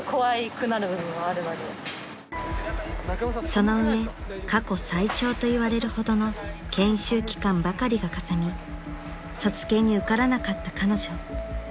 ［その上過去最長といわれるほどの研修期間ばかりがかさみ卒検に受からなかった彼女］